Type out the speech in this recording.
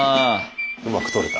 うまく撮れた。